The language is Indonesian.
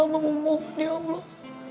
amba memohon ya allah